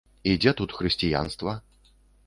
І дзе тут хрысціянства?